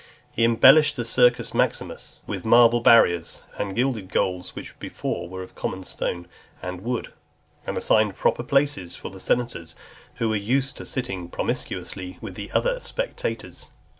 He embellished the Circus Maximus with marble barriers, and gilded goals, which before were of common stone and wood, and assigned proper places for the senators, who were used to sit promiscuously with the other spectators.